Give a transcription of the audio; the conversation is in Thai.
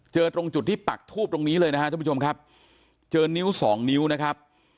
ตรงจุดที่ปักทูบตรงนี้เลยนะครับท่านผู้ชมครับเจอนิ้วสองนิ้วนะครับ